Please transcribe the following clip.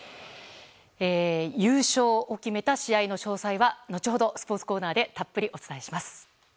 優勝を決めた試合の詳細は後ほどスポーツコーナーでたっぷりお伝えします。